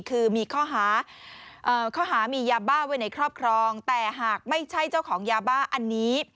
คือมีข้อหาข้อหามียาบ้าไว้ในครอบครองแต่หากไม่ใช่เจ้าของยาบ้าอันนี้